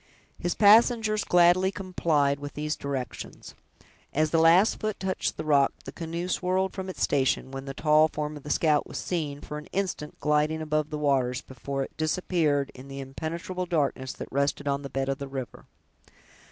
His passengers gladly complied with these directions. As the last foot touched the rock, the canoe whirled from its station, when the tall form of the scout was seen, for an instant, gliding above the waters, before it disappeared in the impenetrable darkness that rested on the bed of the river.